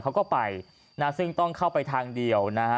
เขาก็ไปนะซึ่งต้องเข้าไปทางเดียวนะฮะ